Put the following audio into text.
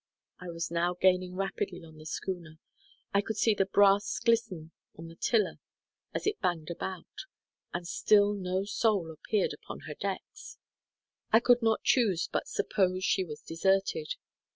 I was now gaining rapidly on the schooner; I could see the brass glisten on the tiller as it banged about; and still no soul appeared upon her decks. I could not choose but suppose she was deserted.